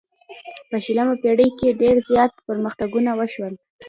په شلمه پیړۍ کې ډیر زیات پرمختګونه وشول.